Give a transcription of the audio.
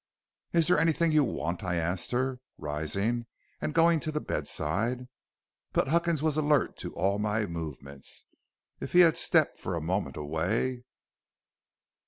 "'Is there anything you want?' I asked her, rising and going to the bedside. "But Huckins was alert to all my movements, if he had stepped for a moment away.